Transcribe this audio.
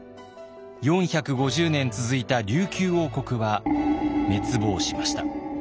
４５０年続いた琉球王国は滅亡しました。